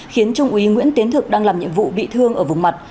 khiến trung úy nguyễn tiến thực đang làm nhiệm vụ bị thương ở vùng mặt